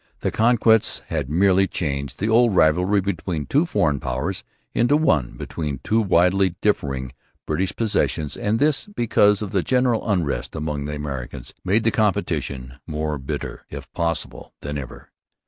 The Conquest had merely changed the old rivalry between two foreign powers into one between two widely differing British possessions; and this, because of the general unrest among the Americans, made the competition more bitter, if possible, than ever.